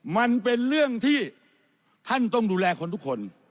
มันเป็นเรื่องที่ท่านต้องดูแลคนทุกคน